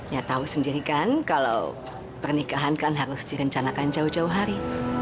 ya tahu sendiri kan kalau pernikahan kan harus direncanakan jauh jauh hari